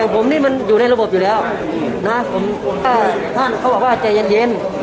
ผมนี่มันอยู่ในระบบอยู่แล้วนะท่านเขาบอกว่าใจเย็น